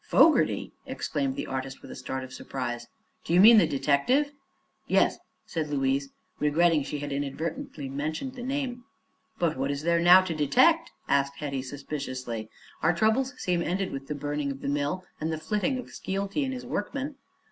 "Fogerty!" exclaimed the artist, with a start of surprise. "Do you mean the detective?" "Yes," said Louise, regretting she had inadvertently mentioned the name. "But what is there now to detect?" asked Hetty suspiciously. "Our troubles seem ended with the burning of the mill and the flitting of Skeelty and his workmen."